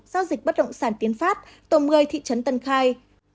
giao dịch bất động sản tiến pháp tổng người thị trấn tân khai